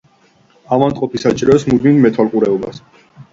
ავადმყოფი საჭიროებს მუდმივ მეთვალყურეობას.